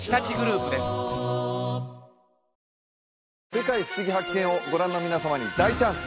「世界ふしぎ発見！」をご覧の皆様に大チャンス！